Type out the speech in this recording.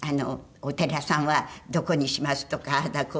お寺さんはどこにしますとかああだ